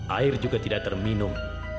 air juga tidak terminum